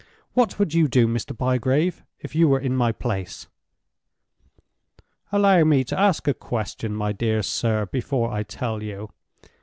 What would you do, Mr. Bygrave, if you were in my place?" "Allow me to ask a question, my dear sir, before I tell you.